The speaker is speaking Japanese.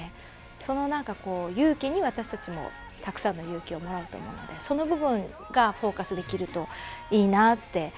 その勇気に私たちも、たくさんの勇気をもらうと思うのでその部分がフォーカスできるといいなって。